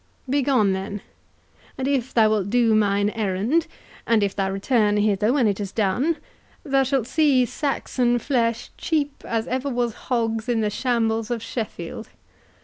"Begone, then; and if thou wilt do mine errand, and if thou return hither when it is done, thou shalt see Saxon flesh cheap as ever was hog's in the shambles of Sheffield.